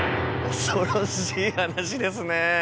恐ろしい話ですね。